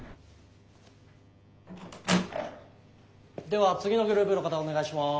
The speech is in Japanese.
では次のグループの方お願いします。